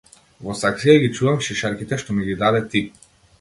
Во саксија ги чувам шишарките што ми ги даде ти.